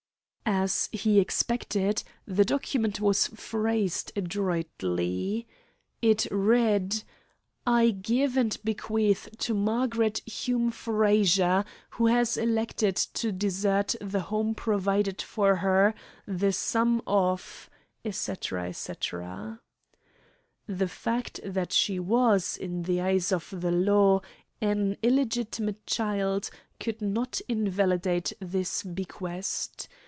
As he expected, the document was phrased adroitly. It read: "I give and bequeath to Margaret Hume Frazer, who has elected to desert the home provided for her, the sum of " etc., etc. The fact that she was, in the eyes of the law, an illegitimate child could not invalidate this bequest.